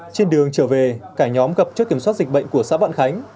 trên đường trở về cả nhóm gặp trước kiểm soát dịch bệnh của xã vạn khánh